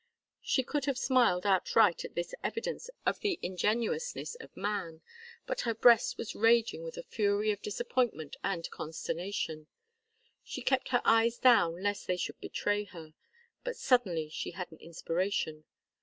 She could have smiled outright at this evidence of the ingenuousness of man, but her breast was raging with a fury of disappointment and consternation. She kept her eyes down lest they should betray her. But suddenly she had an inspiration.